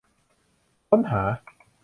ค้นหา